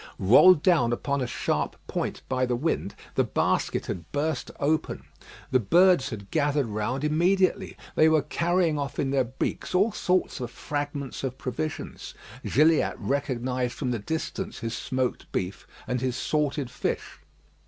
Rolled down upon a sharp point by the wind, the basket had burst open. The birds had gathered round immediately. They were carrying off in their beaks all sorts of fragments of provisions. Gilliatt recognised from the distance his smoked beef and his salted fish.